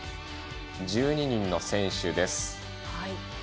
１２人の選手です。